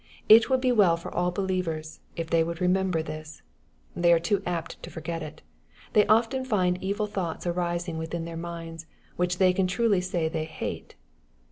It would be well for all believers, if they would remem ber this. They are too apt to forget it. They often find evil thoughts arising vdthin their minds, which they can truly say th ey hate.